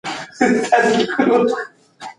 دا ژبه مو د بریالیتوب یوازینۍ لاره ده.